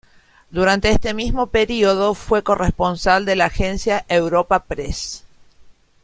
Durante este mismo periodo fue corresponsal de la Agencia Europa Press.